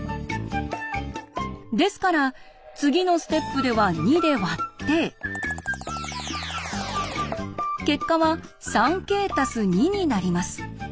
ですから次のステップでは２で割って結果は「３ｋ＋２」になります。